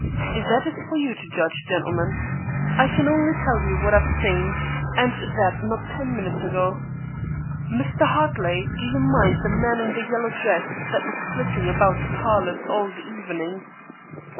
"That is for you to judge, gentlemen. I can only tell you what I've seen, and that not ten minutes ago. Mr. Hartley, do you mind the man in the yellow dress that was flitting about the parlors all the evening?"